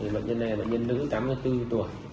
bệnh nhân này là bệnh nhân nữ tám mươi bốn tuổi